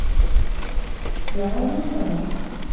يَعُومُ السَّمَكُ.